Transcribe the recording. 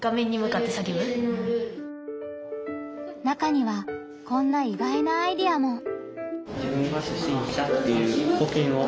中にはこんな意外なアイデアも。